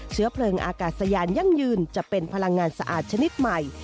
เชื้อเพลิงอากาศยานยั่งยืนจะเป็นพลังงานสะอาดชนิดใหม่